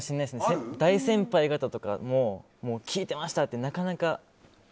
大先輩方とか聞いてましたってなかなか。